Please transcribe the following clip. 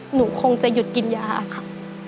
หนูคงจะหยุดกินยาค่ะ